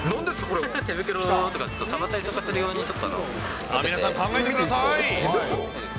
手袋とか、触ったりするよう皆さん考えてみてください。